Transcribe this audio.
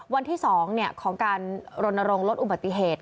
วันที่๒ของการรณรงค์ลดอุบัติเหตุ